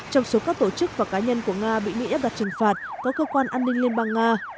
trong số các tổ chức và cá nhân của nga bị mỹ áp đặt trừng phạt có cơ quan an ninh liên bang nga